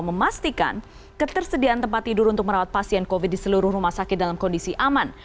memastikan ketersediaan tempat tidur untuk merawat pasien covid di seluruh rumah sakit dalam kondisi aman